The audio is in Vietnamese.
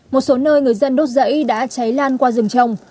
một số nơi người dân đốt rẫy đã cháy lan qua rừng trồng